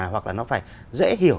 hoặc là nó phải dễ hiểu